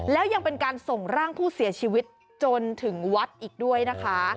แล้วยังเป็นการส่งร่างผู้เสียชีวิตจนถึงวัดอีกด้วยนะคะ